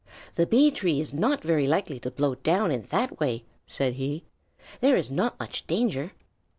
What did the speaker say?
"The Bee tree is not very likely to blow down in that way," said he. "There is not much danger."